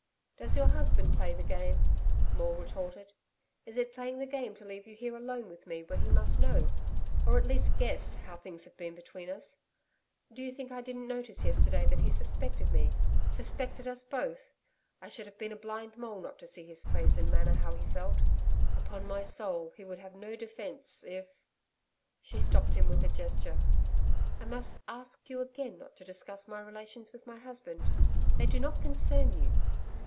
'Does your husband play the game?' Maule retorted. 'Is it playing the game to leave you here alone with me, when he must know or at least, guess how things have been between us? Do you think I didn't notice yesterday that he suspected me suspected us both? I should have been a blind mole not to see by his face and manner how he felt. Upon my soul, he would have no defence if....' She stopped him with a gesture. 'I must ask you again not to discuss my relations with my husband; they do not concern you.'